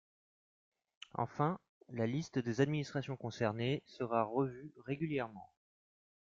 Enfin, la liste des administrations concernées sera revue régulièrement.